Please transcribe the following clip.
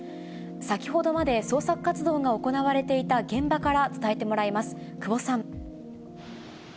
先ほどまで捜索活動が行われていた現場から伝えてもらいます。